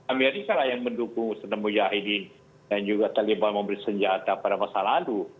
amerika lah yang mendukung senam mujahidin dan juga taliban memberi senjata pada masa lalu